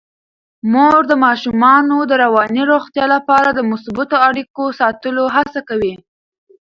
مور د ماشومانو د رواني روغتیا لپاره د مثبتو اړیکو ساتلو هڅه کوي.